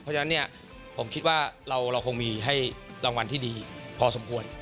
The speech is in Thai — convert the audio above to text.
เพราะฉะนั้นผมคิดว่าเราคงมีให้รางวัลที่ดีพอสมควร